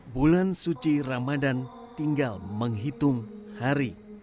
bulan suci ramadan tinggal menghitung hari